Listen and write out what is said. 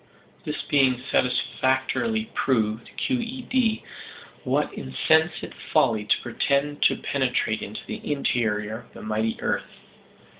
This being satisfactorily proved (Q.E.D.), what insensate folly to pretend to penetrate into the interior of the mighty earth!